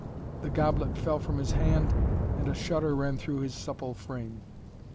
The goblet fell from his hand and a shudder ran through his supple frame.